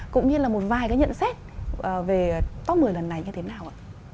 cũng như là một vài cái nhận xét về top một mươi lần này như thế nào ạ